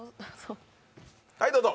はいどうぞ。